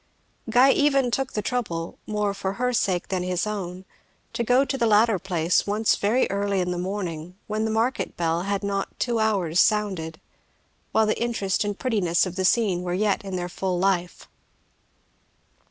Guy even took the trouble, more for her sake than his own, to go to the latter place once very early in the morning, when the market bell had not two hours sounded, while the interest and prettiness of the scene were yet in their full life.